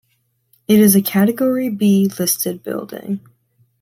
It is a category B listed building.